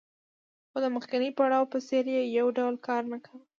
خو د مخکیني پړاو په څېر یې یو ډول کار نه کاوه